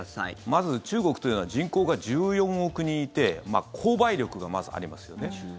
まず中国というのは人口が１４億人いて購買力が、まずありますよね。